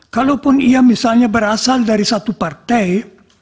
kalaupun ia misalnya berasal dari satu partai